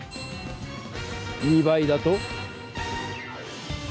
２倍だと？